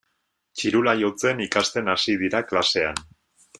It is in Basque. Txirula jotzen ikasten hasi dira klasean.